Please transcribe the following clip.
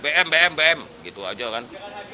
bbm bm bm gitu aja kan